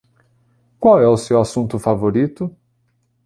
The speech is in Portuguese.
Qual é o seu assunto favorito?